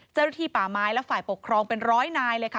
เจ้าหน้าที่ป่าไม้และฝ่ายปกครองเป็นร้อยนายเลยค่ะ